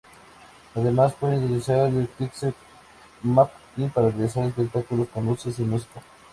Además, pueden utilizan el pixel mapping para realizar espectáculos con luces y música.